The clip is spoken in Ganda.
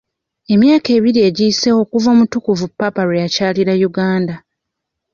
Emyaka ebiri giyiseewo okuva omutukuvu ppaapa lwe yakyalira Uganda.